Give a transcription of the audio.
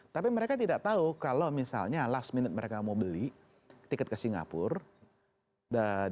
tapi mereka tidak tahu kalau misalnya last minute mereka mau beli tiket ke singapura